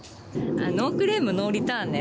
ノークレームノーリターンね。